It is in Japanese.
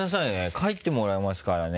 帰ってもらいますからね